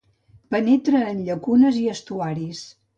Penetra en llacunes i estuaris.